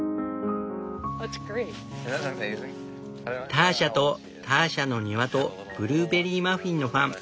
「ターシャとターシャの庭とブルーベリーマフィンのファン」。